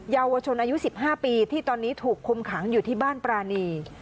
เยาวชนอายุ๑๕ปีที่ตอนนี้ถูกคุมขังอยู่ที่บ้านปรานี